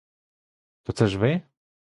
То це ж ви?